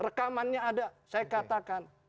rekamannya ada saya katakan